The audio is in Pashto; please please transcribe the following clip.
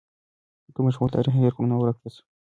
که موږ خپل تاریخ هېر کړو نو ورک به سو.